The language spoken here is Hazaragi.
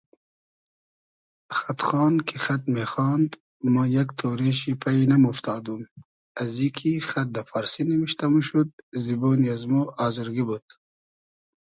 خئد خان کی خئد میخاند ما یئگ تۉرې شی پݷ نئمۉفتادوم ازی کی خئد دۂ فارسی نیمشتۂ موشود زیبۉن از مۉ آزرگی بود